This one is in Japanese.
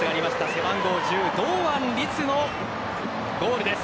背番号１０・堂安律のゴールです。